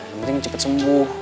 yang penting cepet sembuh